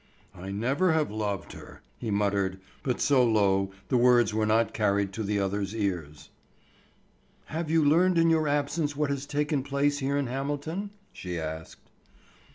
"I never have loved her," he muttered, but so low the words were not carried to the other's ears. "Have you learned in your absence what has taken place here in Hamilton?" she asked.